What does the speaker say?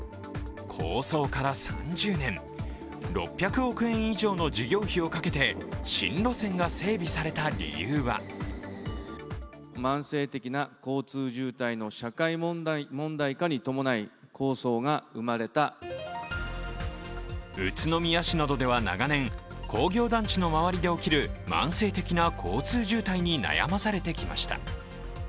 構想から３０年、６００億円以上の事業費をかけて、新路線が整備された理由は宇都宮市などでは長年、工業団地の周りで起きる慢性的な交通渋滞に悩まされてきました。